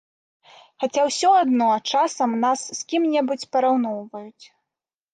Хаця ўсё адно часам нас з кім-небудзь параўноўваюць.